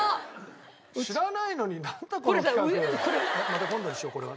また今度にしようこれは。